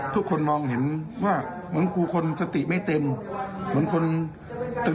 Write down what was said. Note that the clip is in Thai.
ทุกคนมองเห็นว่าเหมือนกูคนสติไม่เต็มเหมือนคนตึก